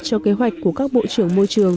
cho kế hoạch của các bộ trưởng môi trường